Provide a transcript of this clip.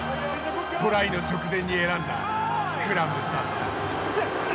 トライの直前に選んだスクラムだった。